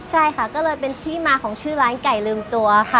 ใช่ค่ะก็เลยเป็นที่มาของชื่อร้านไก่ลืมตัวค่ะ